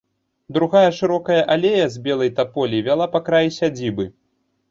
Другая шырокая алея з белай таполі вяла па краі сядзібы.